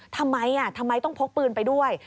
ทำไมทำไมต้องพกปืนไปด้วย